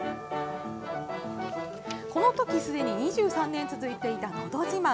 この時すでに２３年続いていた「のど自慢」。